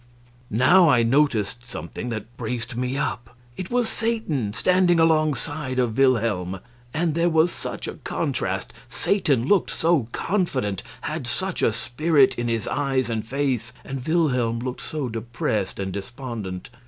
Now I noticed something that braced me up. It was Satan standing alongside of Wilhelm! And there was such a contrast! Satan looked so confident, had such a spirit in his eyes and face, and Wilhelm looked so depressed and despondent.